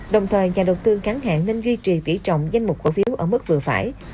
đồng thời nhà đầu tư ngắn hẹn nên duy trì tỉ trọng danh mục cổ phiếu ở mức vừa phải